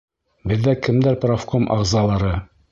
Беҙҙә кемдәр профком ағзалары?